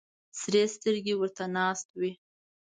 سرې سترګې ورته ناست وي.